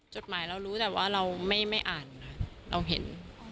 จดหมายเรารู้แต่ว่าเราไม่อ่านค่ะเราเห็น